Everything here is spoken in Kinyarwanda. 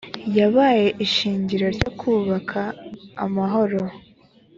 yabaye ishingiro ryo kubaka amahoro